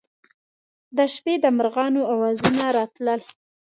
د شپې د مرغانو اوازونه راتلل.